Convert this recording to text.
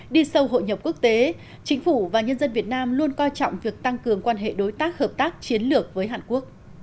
đi sâu hội nhập quốc tế chính phủ và nhân dân việt nam luôn coi trọng việc tăng cường quan hệ đối tác hợp tác chiến lược với hàn quốc